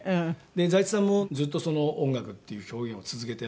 財津さんもずっと音楽っていう表現を続けておられる大先輩。